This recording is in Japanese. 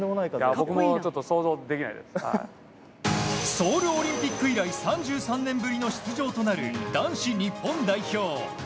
ソウルオリンピック以来３３年ぶりの出場となる男子日本代表。